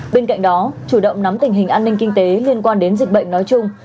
bên cạnh đó chủ động nắm tình hình an ninh kinh tế liên quan đến dịch bệnh nói chung